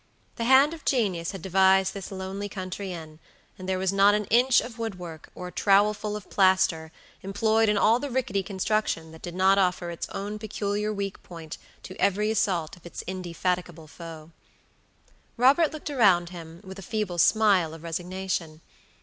The hand of genius had devised this lonely country inn; and there was not an inch of woodwork, or trowelful of plaster employed in all the rickety construction that did not offer its own peculiar weak point to every assault of its indefatigable foe. Robert looked about him with a feeble smile of resignation.